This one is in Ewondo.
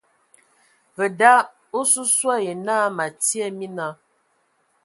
Ve da, osusua ye naa me atie mina.